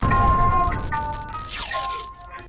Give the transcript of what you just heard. دوست مو تل سرلوړی وي.